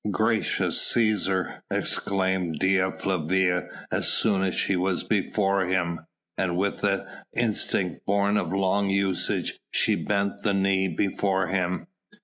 "Gracious Cæsar!" exclaimed Dea Flavia as soon as she was before him, and with the instinct born of long usage, she bent the knee before him.